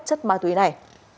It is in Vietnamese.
chất ma túy này